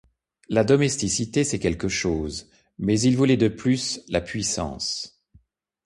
La domesticité, c’est quelque chose, mais il voulait de plus la puissance.